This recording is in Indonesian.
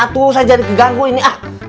aduh saya jadi diganggu ini ah